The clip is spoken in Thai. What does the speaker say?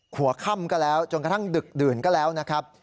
หัวค่ำก็แล้วจนกระทั่งดึกดื่นก็แล้วนะครับ